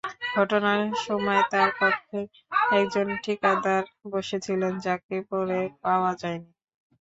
ঘটনার সময় তাঁর কক্ষে একজন ঠিকাদার বসে ছিলেন, যাঁকে পরে পাওয়া যায়নি।